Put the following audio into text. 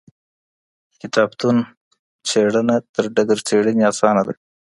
کتابتون څېړنه تر ډګر څېړنې اسانه ده.